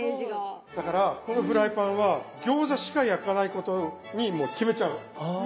だからこのフライパンは餃子しか焼かないことにもう決めちゃう。